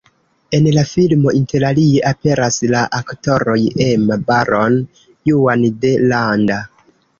En la filmo interalie aperas la aktoroj Emma Baron, Juan de Landa.